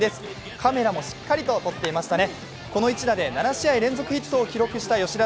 カメラもしっかりと撮っていましたね。